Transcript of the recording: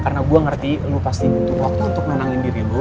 karena gua ngerti lu pasti butuh waktu untuk menenangin diri lu